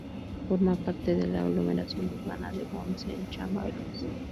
Forma parte de la aglomeración urbana de Bons-en-Chablais.